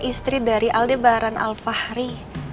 istri dari aldebaran al fahri